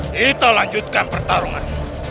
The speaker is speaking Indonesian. kita lanjutkan pertarungan